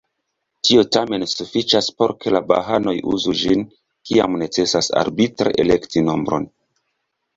Tio tamen sufiĉas por ke la bahaanoj uzu ĝin, kiam necesas arbitre elekti nombron.